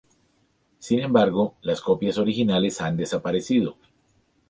Sin embargo, las copias originales han desaparecido.